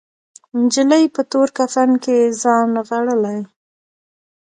نجلۍ په تور کفن کې ځان نغاړلی